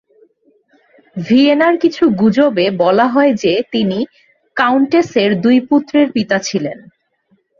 ভিয়েনার কিছু গুজবে বলা হয় যে তিনি কাউন্টেস এর দুই পুত্রের পিতা ছিলেন।